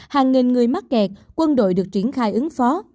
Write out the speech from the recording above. hàng nghìn người mắc kẹt quân đội được triển khai ứng phó